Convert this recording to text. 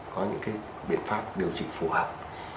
có những biện pháp điều trị phù hợp